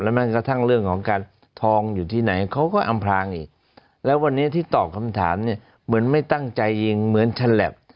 แม้กระทั่งเรื่องของการทองอยู่ที่ไหนเขาก็อำพลางอีกแล้ววันนี้ที่ตอบคำถามเนี่ยเหมือนไม่ตั้งใจยิงเหมือนฉลับ